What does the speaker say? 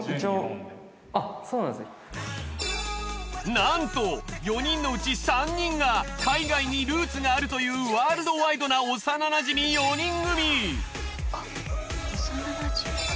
なんと４人のうち３人が海外にルーツがあるというワールドワイドな幼なじみ４人組。